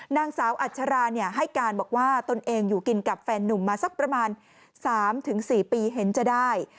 นางสาวอัชราให้การบอกว่าตนเองอยู่กินกับแฟนนุ่มมาสักประมาณ๓๔ปีเห็นจะได้